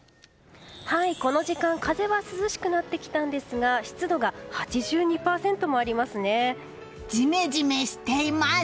この時間風は涼しくなってきたんですがジメジメしています！